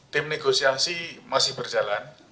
tim negosiasi masih berjalan